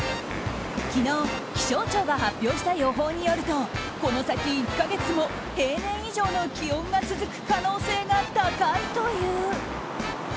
昨日、気象庁が発表した予報によるとこの先、１か月も平年以上の気温が続く可能性が高いという。